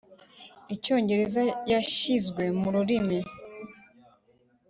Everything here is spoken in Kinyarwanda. Icyongereza yashyizwe mu rurimi